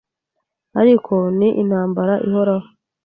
ariko ni intambara ihoraho